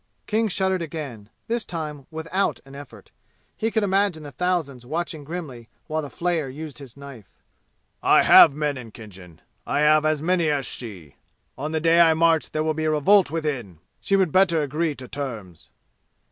King shuddered again, this time without an effort. He could imagine the thousands watching grimly while the flayer used his knife. "I have men in Khinjan! I have as many as she! On the day I march there will be a revolt within. She would better agree to terms!"